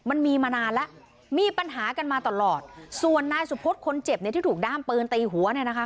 มันมีมานานแล้วมีปัญหากันมาตลอดส่วนนายสุพธิ์คนเจ็บเนี่ยที่ถูกด้ามปืนตีหัวเนี่ยนะคะ